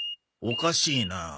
おかしいな。